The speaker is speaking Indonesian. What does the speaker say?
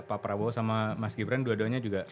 pak prabowo sama mas gibran dua duanya juga